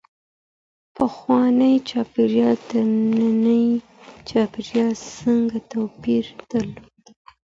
پخوانی چاپېریال تر ننني چاپېریال څنګه توپیر درلود؟